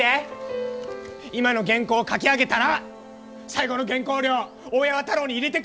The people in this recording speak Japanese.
今の原稿書き上げたら最後の原稿料大八幡楼に入れてくる！